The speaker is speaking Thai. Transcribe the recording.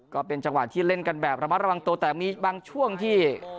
ก็เป็นจังหวะที่เล่นกันแบบระมัดระวังตัวแต่มีบางช่วงที่